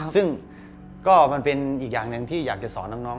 ซึ่งก็มันเป็นอีกอย่างหนึ่งที่อยากจะสอนน้อง